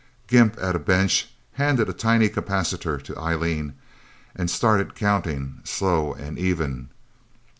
Gimp, at a bench, handed a tiny capacitor to Eileen, and started counting, slow and even.